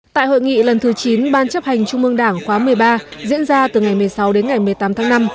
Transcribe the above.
tại hội nghị lần thứ chín ban chấp hành trung mương đảng khóa một mươi ba diễn ra từ ngày một mươi sáu đến ngày một mươi tám tháng năm